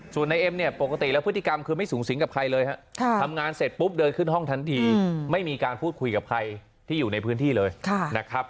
ส่วนนายเอ็มเนี่ยปกติแล้วพฤติกรรมคือไม่สูงสิงกับใครเลยฮะทำงานเสร็จปุ๊บเดินขึ้นห้องทันทีไม่มีการพูดคุยกับใครที่อยู่ในพื้นที่เลยนะครับ